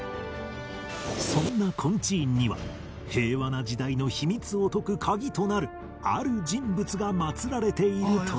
そんな金地院には平和な時代の秘密を解く鍵となるある人物がまつられているという